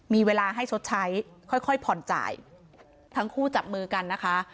มีเวลาให้ชดใช้ค่อยค่อยผ่อนจ่ายทั้งคู่จับมือกันนะคะ